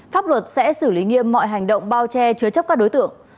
pháp luật sẽ xử lý nghiêm mọi hành động bao che chứa chấp các đối tượng